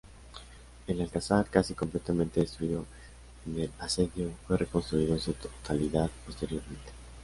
El alcázar, casi completamente destruido en el asedio, fue reconstruido en su totalidad posteriormente.